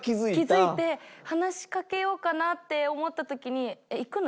気づいて話しかけようかなって思った時に行くの？